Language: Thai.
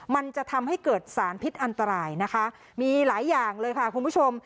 มันจะทำให้เกิดสารพิษอันตรายนะคะมีหลายอย่างเลยค่ะคุณผู้ชม